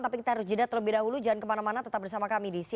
tapi kita harus jedat lebih dahulu jangan kemana mana tetap bersama kami di sian